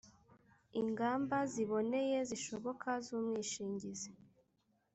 Ingamba ziboneye zishoboka z umwishingizi